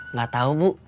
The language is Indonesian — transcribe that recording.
nggak tahu bu